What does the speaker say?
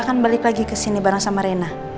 kan balik lagi kesini bareng sama rena